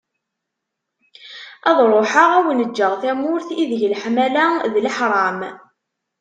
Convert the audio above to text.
Ad ruḥeγ ad awen-ğğeγ tamurt, ideg leḥmala d leḥram.